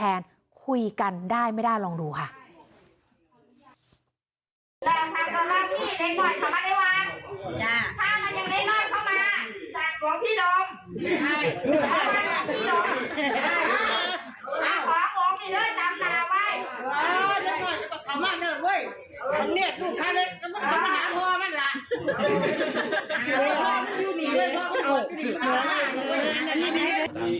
เพิ่มที่เขามากเลยเว้ย